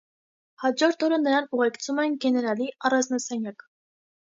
Հաջորդ օրը նրան ուղեկցում են գեներալի առանձնասենյակ։